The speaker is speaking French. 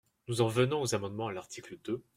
Nous en venons aux amendements à l’article deux.